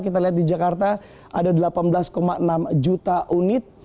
kita lihat di jakarta ada delapan belas enam juta unit